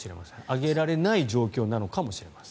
上げられない状況なのかもしれません。